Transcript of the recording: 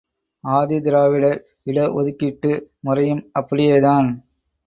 ஆதி திராவிடர் இட ஒதுக்கீட்டு முறையும் அப்படியேதான்.